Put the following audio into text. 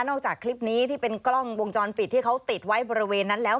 จากคลิปนี้ที่เป็นกล้องวงจรปิดที่เขาติดไว้บริเวณนั้นแล้ว